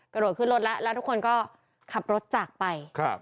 กระโดดขึ้นรถแล้วแล้วทุกคนก็ขับรถจากไป